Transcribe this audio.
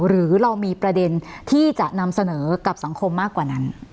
หรือเรามีประเด็นที่จะนำเสนอกับสังคมมากกว่านั้น